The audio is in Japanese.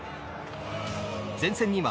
前線には